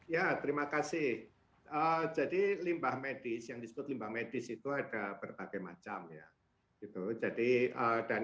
ya terima kasih jadi limbah medis yang disebut limbah medis itu ada berbagai macam ya gitu jadi dan